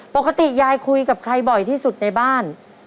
ปกติยายคุยกับใครบ่อยที่สุดในบ้าน